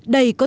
đầy cơ hội